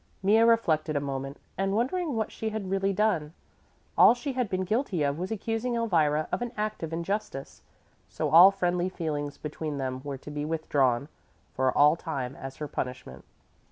Mea reflected a moment, wondering what she had really done. All she had been guilty of was accusing Elvira of an act of injustice. So all friendly feelings between them were to be withdrawn for all time as her punishment.